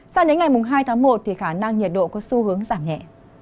sang đến ngày hai tháng một thì khả năng nhiệt độ có xu hướng giảm nhẹ